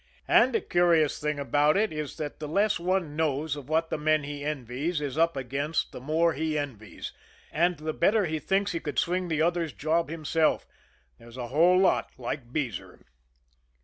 And a curious thing about it is that the less one knows of what the men he envies is up against the more he envies and the better he thinks he could swing the other's job himself. There's a whole lot like Beezer.